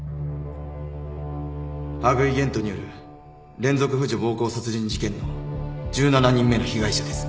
羽喰玄斗による連続婦女暴行殺人事件の１７人目の被害者です。